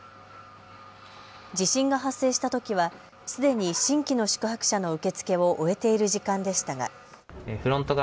地震が発生したときはすでに新規の宿泊者の受け付けを終えている時間でしたが。